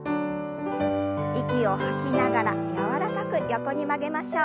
息を吐きながら柔らかく横に曲げましょう。